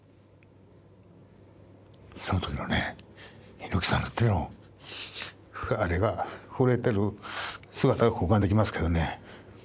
その時のね猪木さんの手のあれが震えてる姿が浮かんできますけどね。